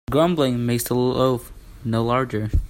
Grumbling makes the loaf no larger.